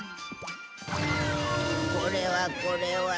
これはこれは。